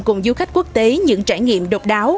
cùng du khách quốc tế những trải nghiệm độc đáo